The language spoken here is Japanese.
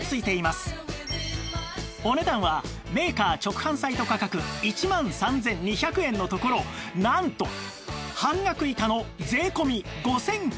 お値段はメーカー直販サイト価格１万３２００円のところなんと半額以下の税込５９８０円！